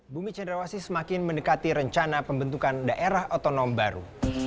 bumi cenderawasi semakin mendekati rencana pembentukan daerah otonom baru